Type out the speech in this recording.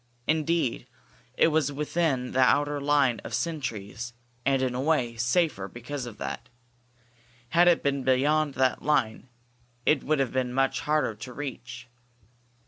Indeed, it was within the outer line of sentries, and, in a way, safer because of that. Had it been beyond that line, it would have been much harder to reach.